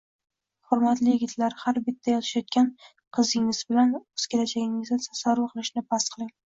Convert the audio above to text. Hurmatli yigitlar, har bitta yozishayotgan qizingiz bilan o'z kelajagingizni tasavvur qilishni bas qiling!